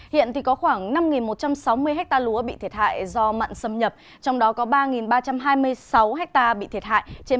hiện có khoảng năm một trăm sáu mươi ha lúa bị thiệt hại do mặn xâm nhập trong đó có ba ba trăm hai mươi sáu ha bị thiệt hại